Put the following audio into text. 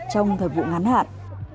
trong thời vụ ngắn hạn